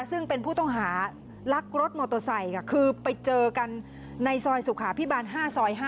ซึ่งเป็นผู้ต้องหาลักรถมอเตอร์ไซค์ค่ะคือไปเจอกันในซอยสุขาพิบาล๕ซอย๕